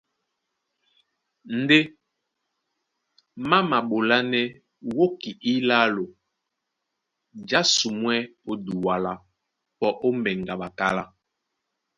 Ndé má maɓolánɛ́ wóki ílálo jǎsumwɛ́ ó Duala, pɔ ó mbɛŋgɛ a ɓakálá.